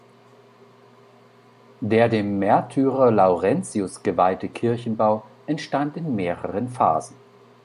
Der dem Märtyrer Laurentius geweihte Kirchenbau entstand in mehreren Phasen.